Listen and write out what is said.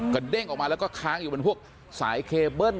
เด้งออกมาแล้วก็ค้างอยู่บนพวกสายเคเบิ้ล